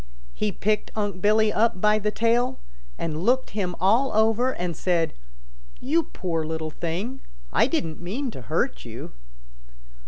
He picked Unc' Billy up by the tail, and looked him all over, and said, 'You poor little thing. I didn't mean to hurt you.'